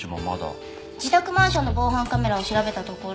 自宅マンションの防犯カメラを調べたところ